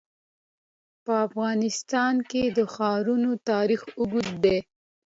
په افغانستان کې د ښارونه تاریخ اوږد دی.